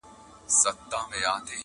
« لکه شمع په خندا کي مي ژړا ده ،